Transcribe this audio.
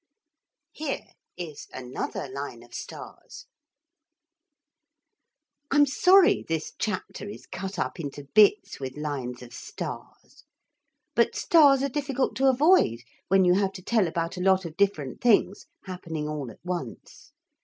I'm sorry this chapter is cut up into bits with lines of stars, but stars are difficult to avoid when you have to tell about a lot of different things happening all at once.